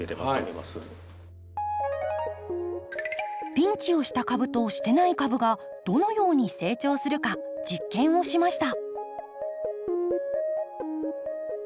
ピンチをした株としていない株がどのように成長するか実験をしました。